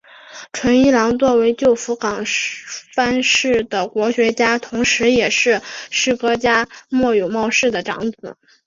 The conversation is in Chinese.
纯一郎作为旧福冈藩士的国学家同是也是诗歌家末永茂世的长子。